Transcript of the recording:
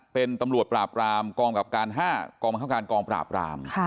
เป็นตำรวจปราบรามกองกับการ๕กองบังคับการกองปราบราม